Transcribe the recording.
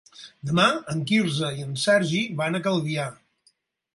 Demà en Quirze i en Sergi van a Calvià.